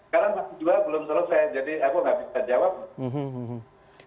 karena masih dua belum selesai jadi aku nggak bisa jawab